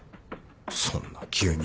そんな急に